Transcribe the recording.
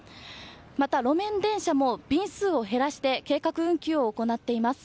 また、路面電車も便数を減らして計画運休を行っています。